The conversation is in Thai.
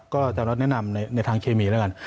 ก็จะน้ำในทางเคมีนะครับ